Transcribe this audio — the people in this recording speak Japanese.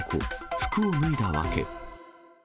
服を脱いだ訳。